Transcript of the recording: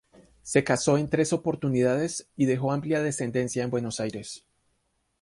Se casó en tres oportunidades y dejó amplia descendencia en Buenos Aires.